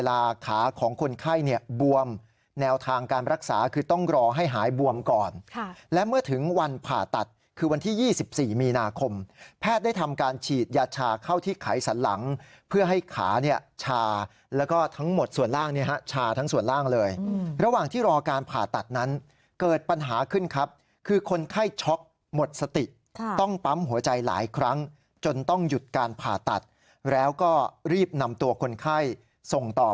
ขาของคนไข้เนี่ยบวมแนวทางการรักษาคือต้องรอให้หายบวมก่อนและเมื่อถึงวันผ่าตัดคือวันที่๒๔มีนาคมแพทย์ได้ทำการฉีดยาชาเข้าที่ไขสันหลังเพื่อให้ขาเนี่ยชาแล้วก็ทั้งหมดส่วนล่างเนี่ยฮะชาทั้งส่วนล่างเลยระหว่างที่รอการผ่าตัดนั้นเกิดปัญหาขึ้นครับคือคนไข้ช็อกหมดสติต้องปั๊มหัวใจหลายครั้งจนต้องหยุดการผ่าตัดแล้วก็รีบนำตัวคนไข้ส่งต่อ